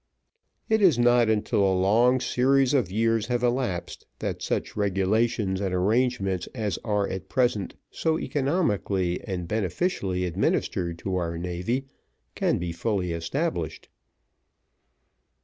It is not until a long series of years have elapsed, that such regulations and arrangements as are at present so economically and beneficially administered to our navy, can be fully established.